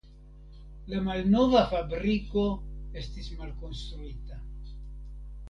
La malnova fabriko estis malkonstruita.